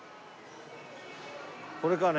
これかね？